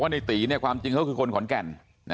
ในตีความจริงเขาคือคนขอนแก่น